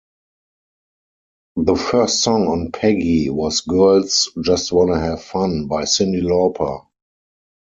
The first song on Peggy was "Girls Just Wanna Have Fun" by Cyndi Lauper.